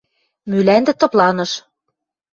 Мӱлӓндӹ тапланыш.